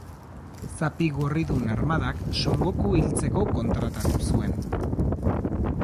Zapi Gorridun Armadak Son Goku hiltzeko kontratatu zuen.